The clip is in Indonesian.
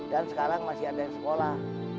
dan sekarang masih ada yang sekolah